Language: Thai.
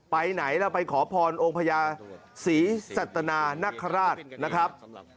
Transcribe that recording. ไปไหนแล้วไปขอพรองค์พญาศรีสัตนานคราชนะครับ